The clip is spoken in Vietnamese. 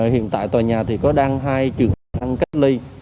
hiện tại tòa nhà có hai trường hợp đang cách ly